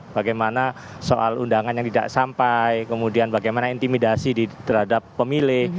bagaimana soal undangan yang tidak sampai kemudian bagaimana intimidasi terhadap pemilih